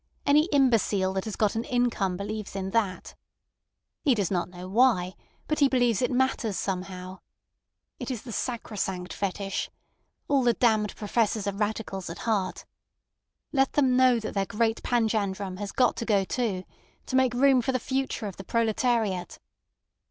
Any imbecile that has got an income believes in that. He does not know why, but he believes it matters somehow. It is the sacrosanct fetish. All the damned professors are radicals at heart. Let them know that their great panjandrum has got to go too, to make room for the Future of the Proletariat.